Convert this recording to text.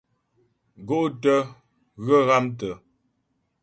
Gó'tə̂ ghə ghámtə́.